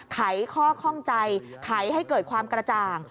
ไขข้อข้องใจไขให้เกิดความกระจ่าง